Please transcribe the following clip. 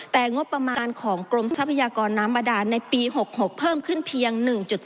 แต่งบประมาณของกรมทรัพยากรน้ำบาดานในปี๖๖เพิ่มขึ้นเพียง๑๒